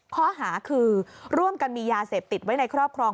ข้อหาคือร่วมกันมียาเสพติดไว้ในครอบครอง